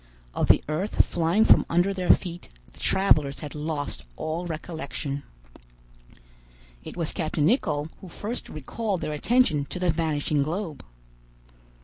Of the earth flying from under their feet, the travelers had lost all recollection. It was captain Nicholl who first recalled their attention to the vanishing globe.